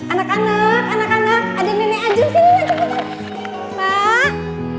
anak anak anak anak ada nenek ajun sini nek cepetan